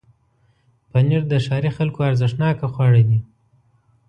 پنېر د ښاري خلکو ارزښتناکه خواړه دي.